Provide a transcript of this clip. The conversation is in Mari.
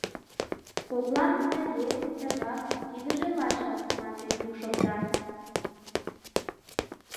Коклан «тыге», «тыгак», «тидыже лачак» манме йӱк шокта.